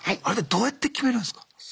あれってどうやって決めるんすか？